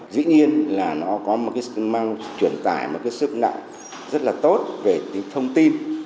dĩ nhiên là nó có một cái mang truyền tải một cái sức nặng rất là tốt về tính thông tin